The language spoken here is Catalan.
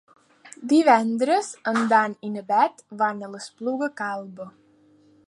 Divendres en Dan i na Bet van a l'Espluga Calba.